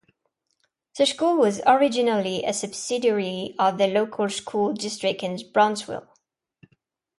The school was originally a subsidiary of the local school district in Brownsville.